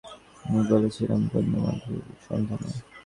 আমি বলেছিলুম, বন্য মধুর সন্ধানে।